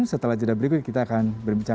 setelah jeda berikut kita akan berbincang